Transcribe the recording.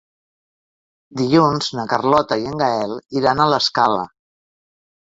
Dilluns na Carlota i en Gaël iran a l'Escala.